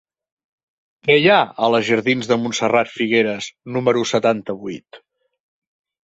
Què hi ha a la jardins de Montserrat Figueras número setanta-vuit?